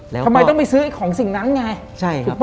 ทำไมต้องไปซื้อของสิ่งนั้นไง